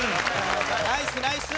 ナイスナイス。